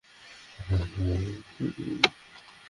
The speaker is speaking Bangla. সে বলল, আজ আঠারটি বছর সে রোগে ভুগছে।